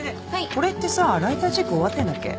これってさライターチェック終わってんだっけ？